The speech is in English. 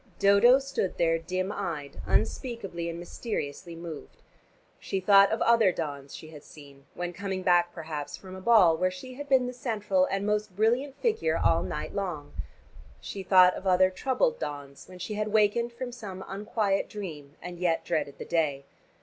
Dodo stood there dim eyed, unspeakably and mysteriously moved. She thought of other dawns she had seen, when coming back perhaps from a ball where she had been the central and most brilliant figure all night long; she thought of other troubled dawns when she had wakened from some unquiet dream and yet dreaded the day.